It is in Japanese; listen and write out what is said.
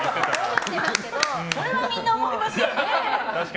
それはみんな思いますよね。